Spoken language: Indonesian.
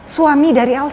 suami dari anaknya